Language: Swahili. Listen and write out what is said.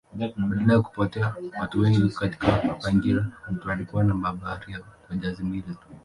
Baada ya kupotea watu wengi katika mapigano walikuwa na mabaharia kwa jahazi mbili tu.